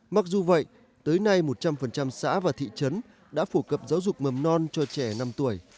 mặc dù vậy tới nay một trăm linh xã và thị trấn đã phổ cập giáo dục mầm non cho trẻ năm tuổi